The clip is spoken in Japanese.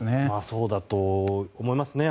そうだと思いますね。